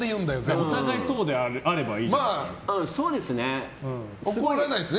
お互い、そうであればいいと。怒らないですね